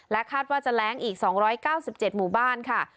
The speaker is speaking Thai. และคาดว่าจะแร้งอีกสองร้อยเก้าสิบเจ็ดหมู่บ้านค่ะ